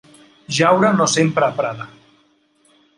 Jaure no s'empra a Prada.